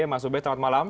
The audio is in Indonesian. mas ubed selamat malam